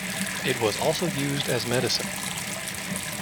It was also used as medicine.